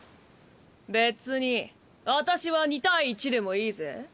別に私は２対１でもいいぜ。